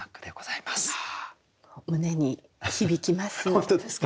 胸に響きます。